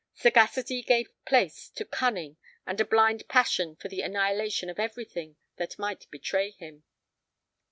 Sagacity gave place to cunning and a blind passion for the annihilation of everything that might betray him.